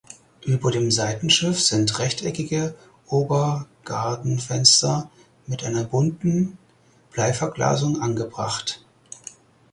Über dem Seitenschiff sind rechteckige Obergadenfenster mit einer bunten Bleiverglasung angebracht.